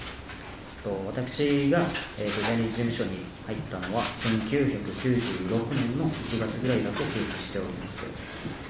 私がジャニーズ事務所に入ったのは、１９９６年の１月ぐらいだと記憶しております。